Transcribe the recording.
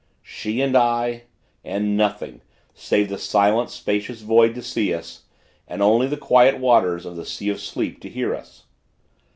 She and I; and nothing, save the silent, spacious void to see us; and only the quiet waters of the Sea of Sleep to hear us.